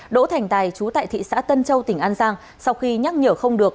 đỗ thành tài chú tại thị xã tân châu tỉnh an giang sau khi nhắc nhở không được